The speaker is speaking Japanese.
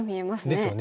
ですよね。